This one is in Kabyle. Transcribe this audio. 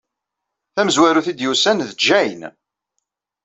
Tamezwarut ay d-yusan d Jane.